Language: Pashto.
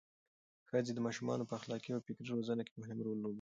ښځې د ماشومانو په اخلاقي او فکري روزنه کې مهم رول لوبوي.